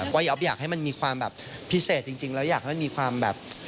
อ๊อฟอยากให้มันมีความแบบพิเศษจริงแล้วอยากให้มันมีความแบบ